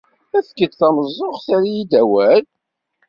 Efk-d tameẓẓuɣt, err-iyi-d awal.